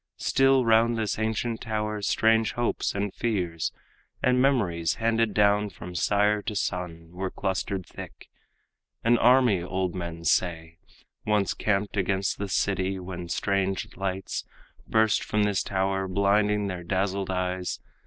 Still round this ancient tower, strange hopes and fears, And memories handed down from sire to son, Were clustered thick. An army, old men say, Once camped against the city, when strange lights Burst from this tower, blinding their dazzled eyes.